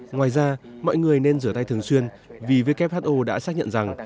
ngoài ra mọi người nên rửa tay thường xuyên vì who đã xác nhận rằng